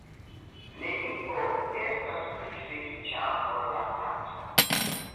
Nenio estas pli feliĉa ol la paco.